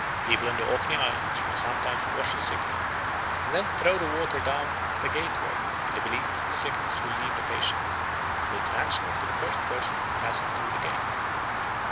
People in the Orkney Islands will sometimes wash a sick man, and then throw the water down at a gateway, in the belief that the sickness will leave the patient and be transferred to the first person who passes through the gate.